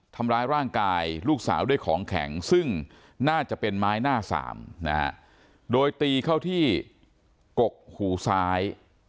ทำร้ายร่างกายลูกสาวด้วยของแข็งซึ่งน่าจะเป็นไม้หน้าสามนะฮะโดยตีเข้าที่กกหูซ้าย